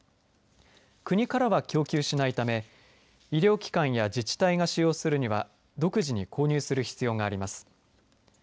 国からは供給しないため医療機関や自治体が使用するには独自に購入する必要があります。